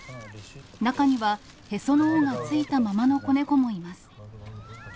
中にはへその緒がついたままの子猫もいます。